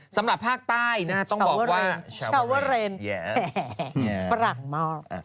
สำหรับภาคใต้นะต้องบอกว่าชาวเวอเรนแหมฝรั่งมาก